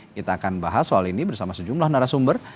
kita akan bahas soal ini bersama sejumlah narasumber